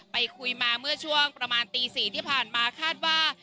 ไปคุยมาเมื่อช่วงประมาณตี๔ที่ผ่านมาคาดว่า